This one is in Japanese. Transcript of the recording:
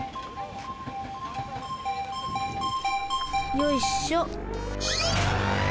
よいっしょ。